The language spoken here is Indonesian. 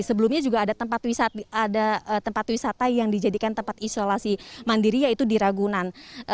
sebelumnya juga ada tempat wisata yang dijadikan tempat isolasi mandiri yaitu di ragunan